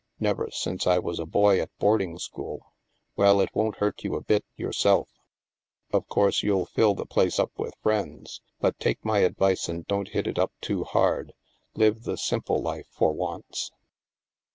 " Never since I was a boy at boarding school." "Well, it won't hurt you a bit, yourself; of course, you'll fill the place up with friends. But take my advice and don't hit it up too hard. Live the simple life for once."